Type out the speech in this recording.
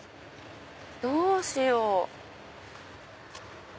どうしよう？